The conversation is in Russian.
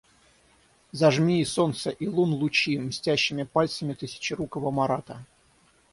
Зажми и солнца и лун лучи мстящими пальцами тысячерукого Марата!